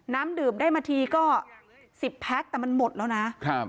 น้ำดื่มได้มาทีก็สิบแพ็คแต่มันหมดแล้วนะครับ